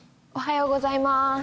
おはようございます。